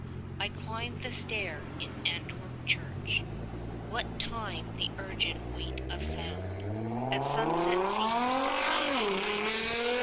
I climbed the stair in Antwerp church, What time the urgent weight of sound At sunset seems to heave it round.